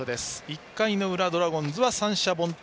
１回の裏、ドラゴンズは三者凡退。